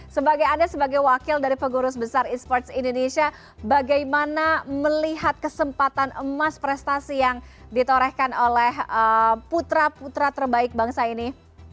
sebagai anda sebagai wakil dari pengurus besar e sports indonesia bagaimana melihat kesempatan emas prestasi yang ditorehkan oleh putra putra terbaik bangsa ini